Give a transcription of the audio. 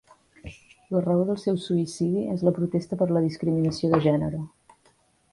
La raó del seu suïcidi és la protesta per la discriminació de gènere.